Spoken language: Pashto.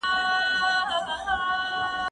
زه کولای سم سبزیحات وخورم؟